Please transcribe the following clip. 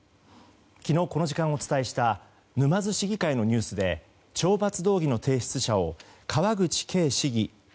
昨日この時間をお伝えした沼津市議会の懲罰動議の提出者を川口慶市議と